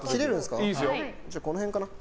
じゃあこの辺かな。